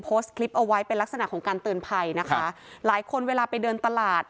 โพสต์คลิปเอาไว้เป็นลักษณะของการเตือนภัยนะคะหลายคนเวลาไปเดินตลาด